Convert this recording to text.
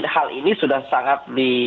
hal ini sudah sangat